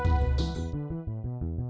tidak bisa diandalkan